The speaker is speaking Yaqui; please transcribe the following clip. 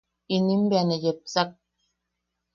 Inim bea ne yepsak.